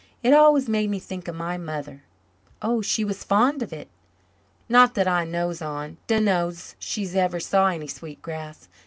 "It always makes me think of my mother." "She was fond of it?" "Not that I knows on. Dunno's she ever saw any sweet grass.